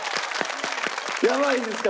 やばいですか？